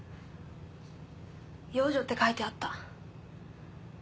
養女って書いてあった。